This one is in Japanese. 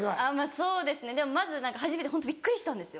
そうですねでもまず初めてホントびっくりしたんですよ。